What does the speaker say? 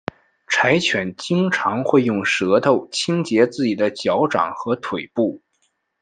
柴犬经常会用舌头清洁自己的脚掌和腿部。